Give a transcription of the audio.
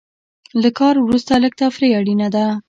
له کار وروسته لږه تفریح اړینه ده.